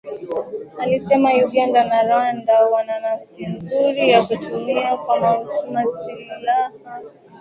Alisema Uganda na Rwanda wana nafasi nzuri ya kutumia kwa maslahi yao fursa zilizoko Jamhuri ya kidemokrasia ya Kongo.